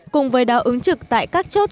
cùng với đạo ứng trực tại các chốt